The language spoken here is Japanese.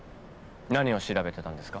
何を調べてたんですか？